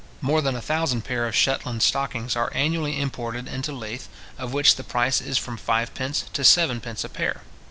More than a thousand pair of Shetland stockings are annually imported into Leith, of which the price is from fivepence to seven pence a pair.